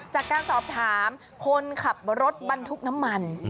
จากการสอบถามคนขับรถบรรทุกน้ำมัน